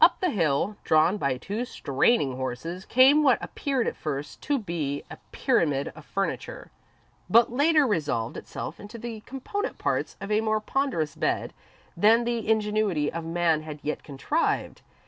Up the hill, drawn by two straining horses, came what appeared at first to be a pyramid of furniture, but later resolved itself into the component parts of a more ponderous bed than the ingenuity of man had yet contrived.